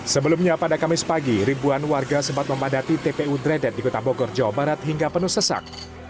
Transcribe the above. sebelumnya pada kamis pagi ribuan warga sempat memadati tpu dredet di kota bogor jawa barat hingga penuh sesak